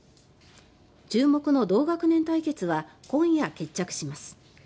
注目の同学年対決は今夜、決着します。